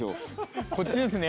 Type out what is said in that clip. こっちですね